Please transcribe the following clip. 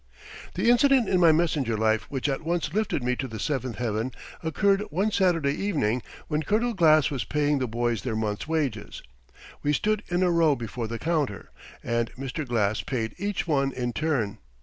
] The incident in my messenger life which at once lifted me to the seventh heaven, occurred one Saturday evening when Colonel Glass was paying the boys their month's wages. We stood in a row before the counter, and Mr. Glass paid each one in turn.